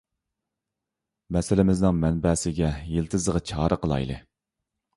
مەسىلىمىزنىڭ مەنبەسىگە، يىلتىزىغا چارە قىلايلى.